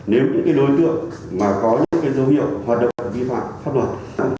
nếu những cái đối tượng mà có những cái dấu hiệu hoạt động vi phạm pháp luật